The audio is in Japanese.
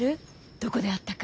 どこで会ったか。